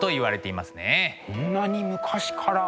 こんなに昔から。